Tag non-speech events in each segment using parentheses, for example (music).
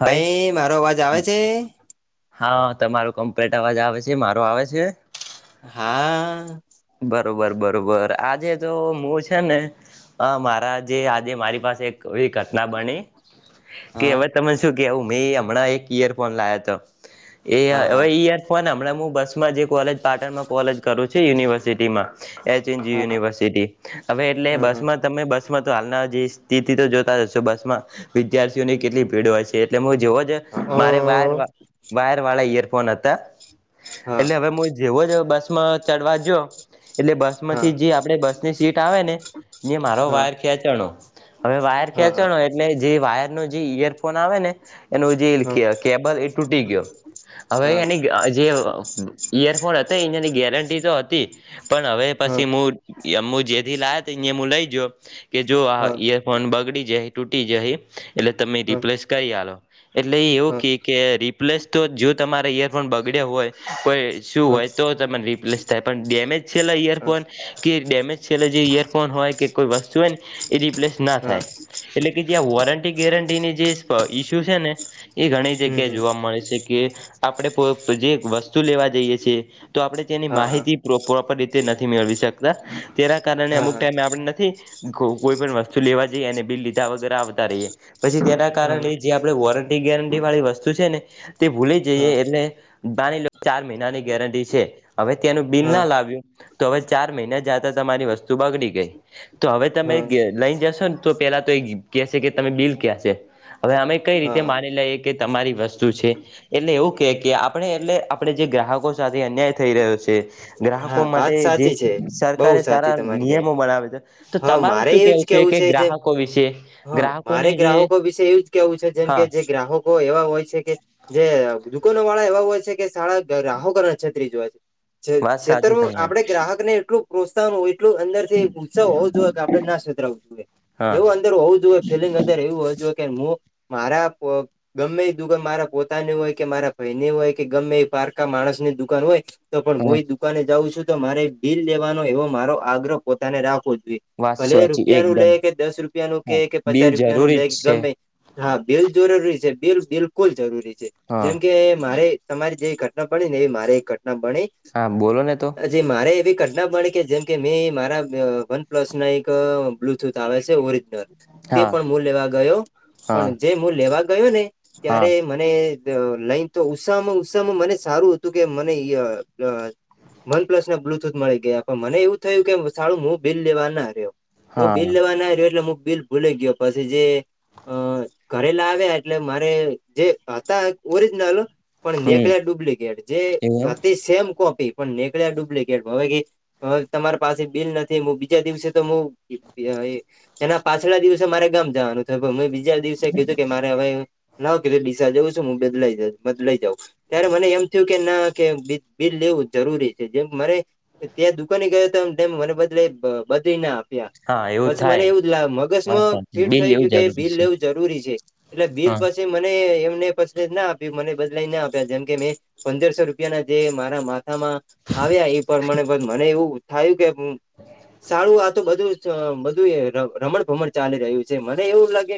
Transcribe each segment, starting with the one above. હાય ભાઈ મારો અવાજ આવે છે? હા. તમાર કમ્પ્લેટ અવાજ આવે છે. મારો આવે છે? હા. બરોબર બરોબર આજે તો હું છે ને મારા જે આજે મારી પાસે એક એવી ઘટના બની કે હા હવે તને શું કેું મેં હમણાં એક ઈયરફોન લાવયા હતો. એ હા હવે હા ઈ યાર ફોન હમણાં હું બસમાં જે કોલે પાટણમાં કોલેજ કરું છ university H. N. G. U. હા યુનિવર્સિટી હવે એટલે હા હા અ હા બસમાં તમે બસમાં હાલના જે સ્થિતિ તો જોતા જશો બસ માં વિદ્યાર્થીઓની કેટલી ભીડ હોય છે એટલે મુજ જેવો જ મારે વાયર હા વાયર વાળા ઈયરફોન હતા. હા એટલે હવે મુ જેવો જ બસમાં ચડવા જ્યો એટલે બસ હા માંથી હા જે આપડે બસની સીટ આવે ને ઇએ મારો હા વાયર ખેચાણો. હવે વાયર હા હા હા ખેચાણો એટલે જે વાયર નો જે ઈયરફોન આવે ને એનું જે હા હા કે કેબલ. તૂટી ગયો હવે એની જે ઈયરફોન હતા ઈયની ગેરંટી તો હતી. પણ હવે પછી મુ મુ જેથી લાયો તો ઇએ હું લઈ જ્યો કે જો આ ઈયરફોન બગડી જ્યાહે ટૂટી જયાહી. એટલે તમે રિપ્લેસ કરી આલો એટલે એવું ક કે રિપ્લેસ તો જો તમારે ઈયરફોન બગ હોય કોઈ ઇસ્યૂ હા હોય તો તમન રિપ્લેસ થાય પણ ડેમેજ છેયલા ઈયરફોન કે ડેમેજ છેયલા જે ઈયરફોન હોય કે કોઈ વસ્તુ હોય ન એ રિપ્લેસ ના હા હા થાય એટલે કે જે આ વોરંટી ગેરંટીની જે ઈસ્યુ છે ને એ ગણી એની હમ જગ્યા હમ જોવા મળે છે કે આપણે જે વસ્તુ લેવા જઈએ છીએ તો આપડે તેની હા હા માહિતી પ્રોપર રીતે નથી મેળવી શકતા તેના કારણે અમુક હા ટાઈમે આપણે નથી કોઈ પણ વસ્તુ લેવા જઈએ અને બિલ લીધા વગર આવતા રહીએ પછી તેના હા કારણે જે આપણે વોરં ગેરંટી વાળી વસ્તુ છે ને તે ભૂલી હા હા જઈએ એટલે બાની લો ચાર મહિનાની ગેરંટી છે. હવે ત્યાંનું બિલ ના હા લાવ્યું તો હવે ચાર મહિના જતા તમારી વસ્તુ બગડી ગઈ તો. હવે તમે જશોને તો પેલા તો કે કે તમે બિલ કયા છે. હવે અમે કઈ રીતે હા માની લઈએ કે તમારી વસ્તુ છે એટલે એવું કે કે આપણે એટલે આપણે જે ગ્રાહકો સાથે અન્યાય થઈ રહ્યો છે. હા ગ્રાહકો વાત માટે જે સાચી છે બહુ સરકારે સારા સાચી તમારી કય નિયમો બનાવે છે તો હા તમારે મારે શું એજ કેવું કે છે. ગ્રાહકો વિશે (unintelligible) હ મારે ગ્રાહકોને જે ગ્રાહકો વિશે એવું જ કેવું છે જેમ હા કે જે ગ્રાહકો એવા હોય છે. જે દુકનોવાળા એવા હોય છે કે શાળા ગ્રહોકો અને છેત્રી જ હોય છે છે વાત છે. સાચી આપડે તમારી ગ્રાહક ને એટલું પ્રોત્સાહન હોય એટલું અંદર થી ઉત્સવ હોવો જોઈએ કે આપડે ના છેતરાવું જોઈએ. હા એવું અંદર હોવ જો હોએ ફલિંગ અંદર એવું હોવી જોઈએ. હું મારા ગમે દુકાન મારા પોતાની હોય કે મારા ભાઈ ની હોય કે ગમે એ પારકા માણસ ની દુકાન હોય તો પણ હું હા એ દુકાને જાઉં છું તો મારે બિલ લેવાનો એવો મારો આગ્રહ પોતાને રાખવો જોઈએ. વાત ભલે સાચી રૂપિયા નું લે એકદમ કે દસ રૂપિયાનું કે હા કે પચાસ બિલ રૂપિયા નું જરૂરી લે જ છે ગમે હા બિલ જરૂરી છે. બિલ બિલકુલ જરૂરી છે હા જેમ કે મારે તમારી જે ઘટના બણી ને એ મારે ઘટના બણી હા બોલો ને તો એ ઘટના મળે કે જેમ કે મેં મારા વનપ્લસ ના એક બ્લુટૂથ આવે છે ઓરિજનલ. તે હા પણ મુ લેવા ગયો હા પણ જે મુ લેવા ગયો ને હા ત્યારે મને લઈને તો ઉત્સાામાં ઉત્સાામાં મને સારું હતું કે મને (unintelligible) વન પ્લસ ના બ્લુટૂથ મળી ગયા પણ મને એવું થયું કે સારું હું બિલ લેવા ના રહ્યો. હું હા બિલ લેવા ના રહ્યો એટલે હું બિલ ભૂલા ગયો પછી જે અ ઘરે લાવ્યા એટલે મારે જે હતા ઓરિજનલ. પણ હમ નેકલે ડુપ્લિકેટ જે એવું એમ હતિ સેમ કો પણ નીકળ્યા ડુપ્લિકેટ હવે તમારી પાસે બિલ નથી બીજા દિવસે તો હું. એના પાછલા દિવસે મારે ગામ જવાનું થયુ મેં બીજા દિવસે કીધું કે મારે હવે ના કે ડીસા જવું છું હ બદલાઈ બદલાઈ જઉં ત્યારે મને એમ થયું કે ના કે બિલ લેવું જરૂરી છે જેમ મરે ત્યાં દુકાને ગયો હતો તેમ મને બદલે બદલી ના આપ્યા. હા પછી મને થાય એવું જ લા વાત મગજમાં સાચી ફીટ બિલ થઈ એવું ગયું કે જરૂરી બિલ છે લેવું જરૂરી છે એટલે બિલ હા પછી મને એ ના આપ્યું મને બદલાઈ ના આપ્યા જેમ કે મેં પંદરસો રૂપિયા ના જે મારા મા આવ્યા એ પ્રમાણે મને એવું થાયું કે સારું આ તો બધું બધું એ રમણ ભમણ ચાલી રહ્યું છે મને એવું લાગે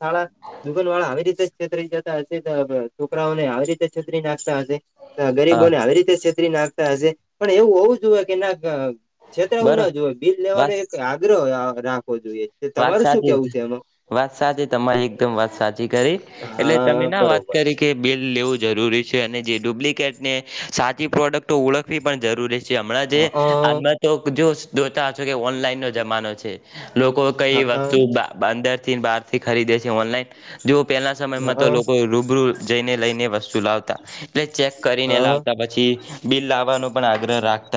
શાળા ગુગલ વાળા આવી રીતે છેતરી જતા હશે તો છોકરાઓને આવી રીતે છેતરી નાખતા હશે તો હા ગરીબોને આવી રીતે છે. નાખતા હશે પણ એવું હોવું જોએ કે ના. છેતરાવું બરોબર ના જો હોય બિલ લેવાનો વાત એક આગ્રહય. તે વાત તમારું શું સાચી કેવું છે એમાં. વાત સાચી તમારી એકદમ વાત સાચી કરી એટલે તમે હા ના વાત બરોબર કરી કે બિલ લેવું જરૂરી છે. છે અને જે ડુપ્લિકેટને સાચી પ્રોડક્ટો ઓળખવી પણ જરૂરી છે. હમણાં જે હા આમાં તો જો જોતા કે ઓનલાઈન નો જમાનો છે. કઈ હા હા વસ્તુ અંદર થી બાર થી ખરીદે છે ઓનલાઈન. જો પહેલા સમયમાં તો હા લોકો રૂબરૂ જઈને લઈને વસ્તુ લાવતા એટલે ચેક કરીને લ. હા આવતા પછી બિલ લાવવાનો પણ આગ્રહ રાખ.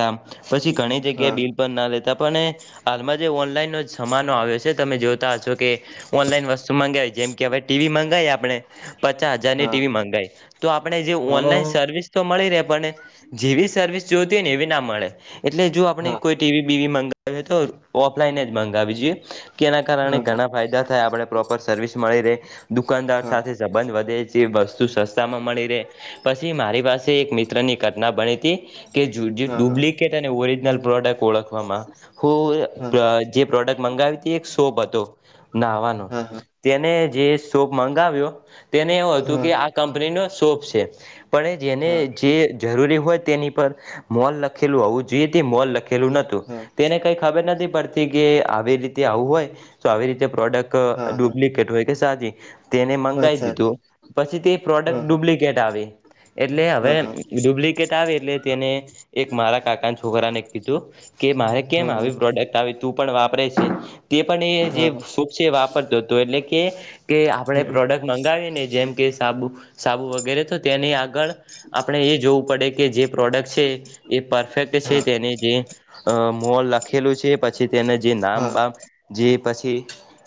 પછી ઘણી જગ્યાએ હા બિલ પણ ના લેતા પણ હાલમાં જે ઓનલાઈન ન જમાનો આયો છે તમે જોતા હશો કે ઓનલાઈન વસ્તુ મગાઈ જેમ કે હવે ટીવી મંગાઈ આપણે. પચાસ હજારની હા ટીવી મંગાઈ તો આપણે જે હા ઓનલાઈન સર્વિસ તો મળી ર. જેવી સર્વિસ જોતી હોય ને એવી ના મળે એટલે જો આપણે હા કોઈ ટીવી બીવી મ એ તો ઓફલાઈન જ મંગાવી જોઈએ કે એના કારણે હા હા ઘણા ફાયદા થાય આપણે પ્રોપર સર્વિસ મળી રે દુકાનદાર સાથે હા સંબંધ વધે છે વસ્તુ સસ્તા માં મળી રે પછી મારી પાસે એક મિત્રની ઘટના બની તી કે ઝૂડી હા ડુપ્લિકેટ અને ઓરિજનલ પ્રોડક્ટ ઓળખવામાં હું હા જે પ્રોડક્ટ મંગાવી. એક શોપ હતો નાહવાનો તેને જે શોપ મંગાવ્યો. તેને એવું હતું હા કે આ કંપનીનો શોપ છે પણ જેને હા જે જરૂરી હોય તેની પર મોલ લખેલું આવું જઈત મોલ લખેલું નતું હા તેને કઈ ખબર નથી પડતી કે આવી રીતે આવું હોય તો આવી રીતે. પ્રોડક્ટ હા હા ડુપ્લિકેટ હોય કે સાચી. તેને વાત મંગાવી સાચી દીધું પછી તે પ્રોડક્ટ હા ડુપ્લિકેટ આવી. એટલે હવે હા હા ડુપ્લિકેટ આવે એટલે તેને એક મારા કાકાને છોકરાને કીધું. કે મારે હા કેમ હા આવી પ્રોડક્ટ આવી તું પણ વાપરે છે તે પણ એ જે હા હા હા સુૂખ છે વાપરતો હતો એટલે કે કે આપણે હમ પ્રોડક્ટ મંગાવી ને જેમ કે. સાબુ સાબુ વગેરે તો. તેની આગળ આપણે એ જોવું પડે કે જે પ્રોડક્ટ છે એ પરફેક્ટ છે હા તેની જે. અ મોલ લખેલું છે પછી તેને જે હા નામ બામ જે પછી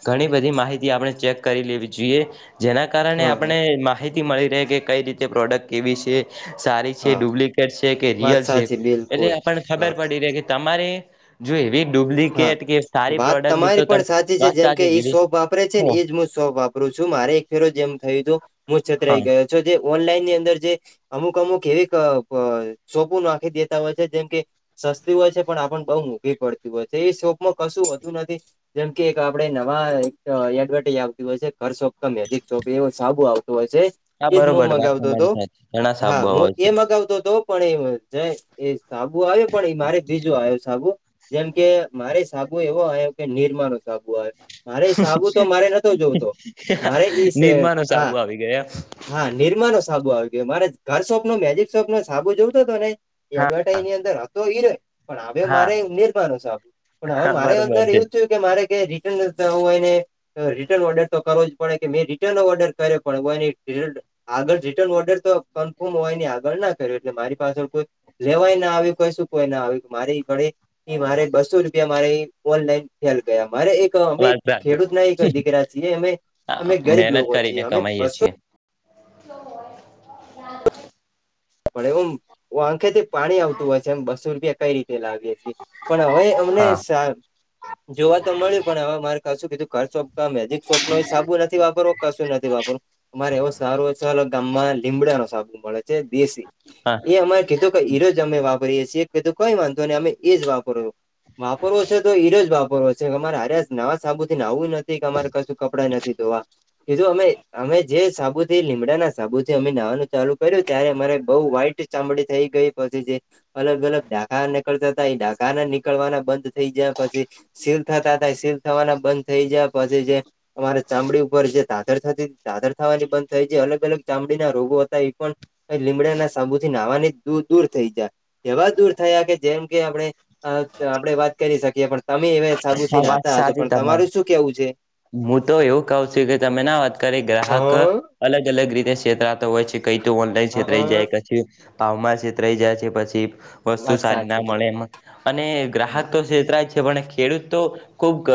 ઘણી બધી માહિતી આપણે ચેક કરી લેવી જોઈએ. જેના કારણે હા હા આપણે માહિતી મળી રહે કે કઈ રીતે પ્રોડક્ટ કેવી છે સારી છે હા ડુપ્લિક. કે વાત રીયલ છે સાચી બિલકુલ એટલેને હા ખબર પડી રે કે તમારે. જો એવી હા ડુપ્લિકેટ કે સારી. વાત પ્રોડક્ટની તો તમારી પણ તમે સાચી છે વાત જેમ કે સાચી એ કીધી શોપ વાપરે છે હો ને એજ હું શોપ વાપરું છું મારે એક ફેરો જેમ થયું હતું. હુ છતરાઈ હા ગયો છો જે. ઓનલાઈન ની અંદર જે અમુક અમુક એવી અ-અ સોપુ નાખી દેતા હોય છે જેમ કે સસ્તી હોય છે પણ આપણ બહુ મોઘી પડતી હોય છે એ શોપમાં કશું વધું નથી જેમ કે એક આપડે નવા એડવર્ટઈઝ આવતી હોય છે. હર સોપ મેગી ચોપ એવુ સાબું આવ હોય છે હા એજ હું બરોબર વાત મગાવતો હતો તમારી સાચી ઘણા હા સાબુ હું આવે છે એ મગાવતો હતો. પણ એ એ સાબુ આવ્યો પણ એ મારે બીજું આયો સાબુ જેમ કે મારે સાબુ એવો આયો કે નિરમા નો સાબુ આયો. મારે સાબુ તો મારે નતો જોવતો મારે ઈ નિરમા નો હ સાબુ આવી ગયો હા નિરમા નો સાબુ આવે. મારે ઘર શોપ નો મેજિક શોપ નો સાબુ જોવતો હતો ને એ હા એડવર્ટાઈઝની અંદર હતો એરયો. પણ હવે હા મારે નિર્માનું સાબુ પણ હવે હા મારે બરોબર અંદર છે એવું થયું કે મારે તો કે રિટર્ન કરવો હોય ને રિટર્ન ઓર્ડર તો કરવો પડે કે મેં રિટર્ન ઓર્ડર કર્યો પણ ઓયને કે આગળ રિટર્ન ઓર્ડર તો કન્ફર્મ હોય ને આગળ ના કર્યું એટલે મારી પાછળ કોઈ લેવાય ના આવ્યું કોઈ શું કોઈ ના આવ્યું મારી ઘડી મારે બસો રૂપિયા મારે ઓનલાઈન થ્યા ગયા. મારે એક અમે વાત ખેડૂત ના એક સાચી દીકરા છીએ અમે અમે ગરીબ મહેનત લોકો છીએ કરીને અમે કમાઈએ બસો (unintelligible) એમ આંખેથી પાણી આવતું હોય છે એમ બસો રૂપિયા કઈ રીતે લીએ છે પણ હવે અમને હા જોવા તો મળ્યું પણ હવે માર કરશું કીધું ઘર ચોક મેજીિક સોપ સાબુ નથી વાપરવું કશું નથી વાપરવું મારે એવો સારું છાલ ગામ માં લીમડા નો સાબુ મળે છે દેશી હા એ અમારે કીતો કે ઈરોજ અમે વાપ રીએ છીએ કઈ વાંધો નઈ અમે એજ વાપરવો વાપરવો હે તો એરોજ છે અમારે અરે નવા સાબુ નાવું નથી કે અમારે કશું કપડાં નથી ધોવા. કીધું અમે અમે જે સાબુથી લીમડાના સાબુ થી અમે નહવાનું ચાલુ કર્યું ત્યારે મારે બઉ વ્હાઈટ ચામડી થઈ ગઈ પછી અલગ અલગ ઢાકા નીકળતા હતા એ ડાઘા નીકળવાના બંધ થઈ ગયા પછી સીલ થતા થાય સીલ થવાના બંધ થઈ ગયા પછી જે મારે ચામડી ઉપર જે ધાધર થતી ધાધર થવાની બંધ થઈ છે અલગ અલગ ચામડીના રોગો હતા એ પણ લીમડાના સાબુથી નાહવાની દૂર દૂર થઈ જયા એવા દૂર થયા કે જેમ કે આપણે આપડણે વાત કરી શકીએ પણ તમે એ હા સાબુથી વાત નાતા હશો સાચી પણ તમાર તમારી શું કેવું છે. હું તો એવું કઉ છું કે તમે ના વાત કરી ગ્રાહક હા અલગ અલગ રીતે છેતરાતો હોય છે કઈ તો ઓ છેતરાઈ હા જાય પછી ભાવમાં છેતરાઈ જાય છે પછી વસ્તુ વાત સારી ના સાચી મળે એમ અને હા ગ્રાહક તો છેતરાય જ છે પણ ખેડૂત તો ખુબ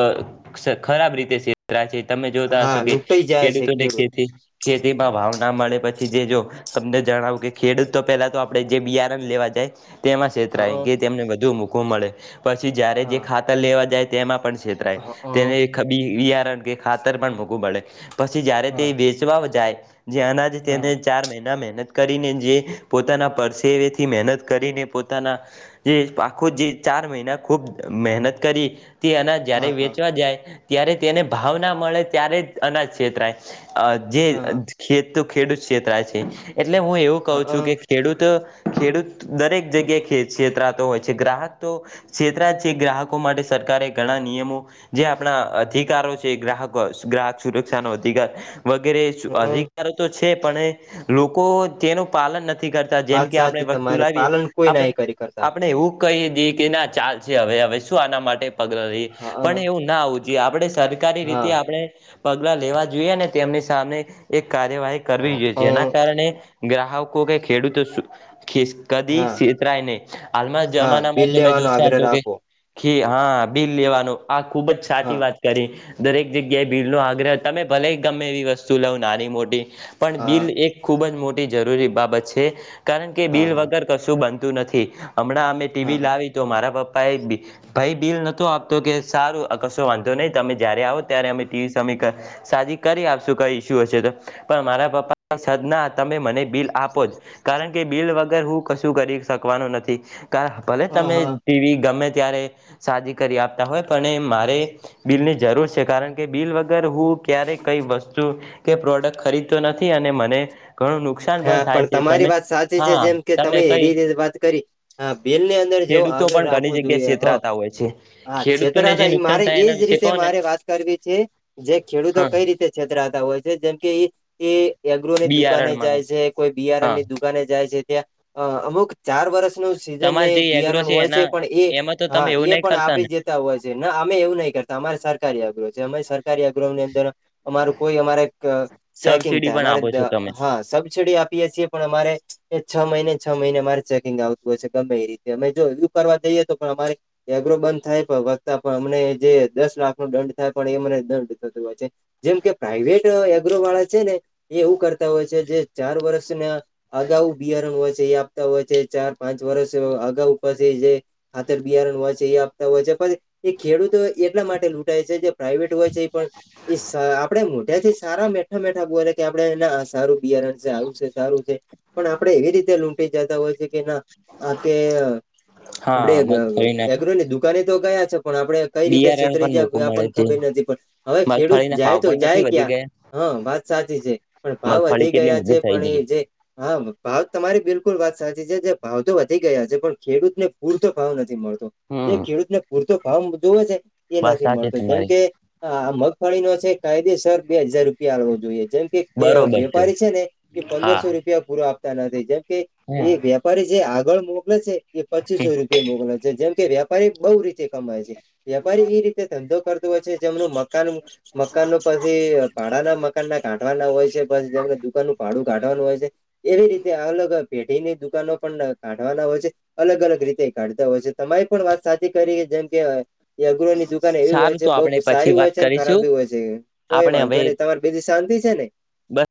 ખરાબ રીતે છેતરાય તમે જોતા હા હશો કે લૂંટાઈ જાય છે ખેડૂતોને ખેડૂત ખેતી ખેતીમાં ભાવ ના મળે પછી જે જો તમને જણાવું કે ખેડૂત તો પેલા તો આપડણે જે બિયારણ લેવા જાય તેમાં છેતરાય હા કે તેમને બધુ મૂકો મળે પછી જ્યારે જે હા ખાતા લેવા જાય તેમાં પણ છેતરાય હા હા તેને બિયારણ કે ખાતર પણ મૂઘુ મળે. પછી જ્યારે તે હા વેચવા જાય જ્યાંના જ હા તેને ચાર મહિના મહેનત કરીને જે પોતાના પરસેથી મહેનત કરીને પોતાના જે આખો જે ચાર ચાર મહિના ખુબ મહેનત કરી તે અનાજ જ્યારે હા વેચવા જાય ત્યારે તેને ભાવ ના મળે ત્યારે અનાજ છેતરાય. અ જે હા ખેત ખેડૂત ક્ષેત્રરાય છે એટલે હું એવું કહું હા છું કે ખેડૂત ખેડૂત દરેક જગ્યાએ સેતરાતો હોય છે ગ્રાહક તો છેતરા યજ છે ગ્રાહકો માટે સર કારે ઘણા નિયમો જે આપણા અ અધિ કારો છે ગ્રાહકો ગ્રાહક સુરક્ષા નો અધિકાર વગેરે હા અધિકારો તો છે. છે પણ એ લોકો તેનું પાલન નથી નથી કરતા જેમ વાત કે આપણે સાચી વસ્તુ તમારે લાવીએ પાલન કોઈ ના આપણે કરી કરતા આપણે એવું કહી દી કે ના ચાલ છે હવે હવે શું આના માટે પગલા લહી હા પણ એવું ના હોવું જોઈએ આપડે સરકારી હા રીતે આપણે પગલા લેવા જોઈએ ને તેમની સામે એક કાર્યવાહી કરવી હા જોઈએ જેના કારણે ગ્રાહકો કે ખેડૂતો કદી હા તરાય નહી હાલમાં હા જમાના માં બિલ જમે જો લેવાનો આગ્રહ તો રાખો કે હા બિલ લેવાનું આ ખુબ જ સાચી હા વાત છે. દરેક દરેક જગ્યાએ ભીડનો આગ્રહ તમે ભલે ગમે એવી વસ્તુ લ્યો પણ હા બિલ એક ખૂબ જ મોટી જરૂરી બાબત છે કારણ કે હા બિલ હા વગર કશું બન નથી હમણાં અમે હા ટીવી હા લાવી તો મારા પપ્પા. ભાઈ ભાઈ બિલ નો આપતો કે સારુંકસો વાંધ ન તમે જયારે આવો ત્યારે અમે ટીવી સમ સા કરી આપશું કઈ ઈસ્યુ હશે તો પણ મારા પપ્પા. સદ ના તમે મને બિલ આપો જ કારણ કે બિલ વગર હું કશું કરી શકવાનું નથી. ભલે હા તમે ટીવી ગમે ત્યારે સાદી કરી આપતા હોય પણ મારે બિલની જરૂર છે કારણ કે બિલ વગર હું ક્યારેય કઈ વસ્તુ કે પ્રોડક્ટ ખરીદતો નથી અને અને મને ઘણું નુકસાન હા થાય પણ છે તમારી તમે વાત સાચી છે હા જેમ કે તમે એ કઈ રીતે વાત કરી, બિલની વ ખેડૂતો આગળ પણ ઘણી રાખવો જગ્યાએ જોઈએ હ, છેતરાતા હોય છે છેતરા ખેડૂતોને જે હતા એ નુકસાન મારે થાય એજ એના વિશે રીતે કહો ને મારે વાત કરવી છે, જે ખેડૂતો હા કઈ રીતે છેતરાતા હોય છે જેમ કે એ. એગ્રોની દુકાને બિયારણમાં જાય છે કોઈ બિયારણ હા ની દુકાને જાય છે ત્યાં, અમુક ચાર વર્ષ સીન તમારે જે એગ્રો બિયારણ હોય છે એના પણ એ એમાં તો હા તમે એવું એ નહી પણ કરતા આપી ને જતા હોય છે ના અમે એવું નહી અમારે સરકારી સરકાર આગ્રની અંદર, અમારું કોઈ અમારે ચેકિંગ સબસીડી થાય પણ અમારે આપો છો તમે હા. આપ છ પણ અ છ મહિ છ મહિને મારે ચેકિંગ આવતું હોશે ગમે રીતે અમે જો જઈએ તો પણ અમા એગ્રો બંધ થાય વતા પણ અમને જે દસ લાખ નો દંડ થાય પણ એ દંડ થતું હોય છે, જેમ કે પ્રાઈવેટ એગ્રો વાળા છે ને, એ એવું કરતા હોય છે. જે ચાર વર્ષને, અગાઉ બિયારણ હોય છે એ આપતા હોય છે ચાર પાંચ વર્ષ અગાઉ ખાથર બિયારણ હોય છે એ આપતા હોય છે પણ એ ખેડૂતો એટલા માટે લૂંટાય છે જે પ્રાાઈવેટ હોય છે એ પણ, એ આપણેે મોટાથી સારા મેઠા મેઠા બો કે આપડે એને સારું. બિયારણ છે આવું છે સારું છે પણ આપડે એવી રીતે લૂંટી જતા હોય છે કે ના હ કે આપડે હા મગફળીના એગ્ર ને દુકાને તો ગયા છે. પણ આપડણે કઈ રીતે બિયારણ કેતરી પણ જ મોકું મળે પણણ છે ખબર નથી પણ હવે ખેડૂત મગફળીના જાય ભાવ તો પણ જાય નથી વધી ક્યાં. ગયા હા વાત સાચી છે પણ ભાવ મગફળી વધી કેટલી ગયા છે મોઘી થઈ પણ ગઈ એ જે હા ભાવ તમારી બિલકુલ. વાત સાચી છે જે ભાવ તો વધી ગયા છે પણ ખેડૂતને પૂરતો ભાવ નથી મળતો. એ હમ ખેડૂત ને પૂરતો ભાવ જોવે છે. એ વાત નથી સાચી મળતો જેમ તમારી કે, આ મગફળીનો છે કાયદેસર બે હજાર રૂપિયાવો જોઈએ. જેમ કે વેપારી છે ને, એ હા પંદરસો રૂપિયા પૂરો આપતા નથી જેમ હમ એ વેપારી જે આગળ મોકલે છે એ પચીસો રૂપિયા મોકલે છે જેમ કે વેપારી બહુ રીતે કમાય છે, વેપારી એ રીતે ધંધો કરતો હોય છે જેમનું મ મકાન મકાન ન પછી પાડાના મકાન ના કાંઢવાના હોય છે પછી જેમને દુકાન નનું ભાડું કાઢવાનું હોય છે, એવી રીતે અલગ પેઢીની દુકાનો પણ કાઢવાના હોય છે, અલગ અલગ રીતે કાઢતા હોય છે તમારી પણ વાત સાચી કરી કે જેમ કે એ અગ્રરો ની દુકાન એવી હોય સારું છે તો બઉ આપણે સારી પછી હોય વાત છે, અને કરીશું ખરાબી હોય છે કોઈ આપણે વાંધો હવે નહી તમારે બ શાંતિ છે ને. બસ